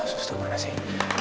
sos dimana sih